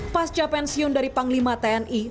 pasca pensiun dari panglima tni